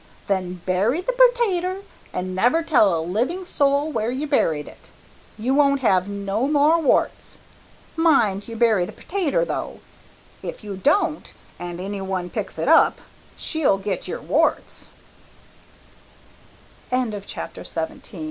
Then bury the pertater and never tell a living soul where you buried it. You won't have no more warts. Mind you bury the pertater, though. If you don't, and anyone picks it up, she'll get your warts." CHAPTER XVIII.